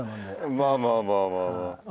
まあまあまあまあまあ。